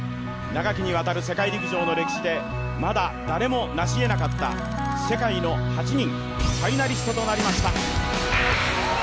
長きにわたる世界陸上の歴史でまだ誰もなし得なかった世界の８人ファイナリストとなりました。